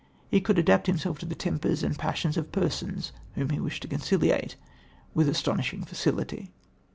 he could adapt himself to the tempers and passions of persons, whom he wished to conciliate, with astonishing facility."